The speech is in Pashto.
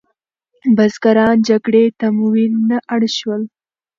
بزګران جګړې تمویل ته اړ شول.